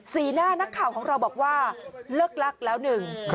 หน้านักข่าวของเราบอกว่าเลิกลักแล้วหนึ่ง